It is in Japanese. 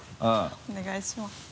お願いします。